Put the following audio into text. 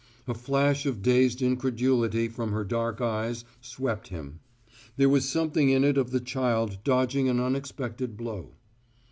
A flash of dazed incredulity from her dark eyes swept him; there was something in it of the child dodging an unexpected blow.